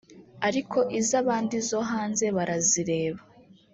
ariko iz’abandi zo hanze barazireba